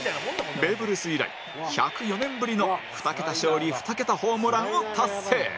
ベーブ・ルース以来１０４年ぶりの２桁勝利２桁ホームランを達成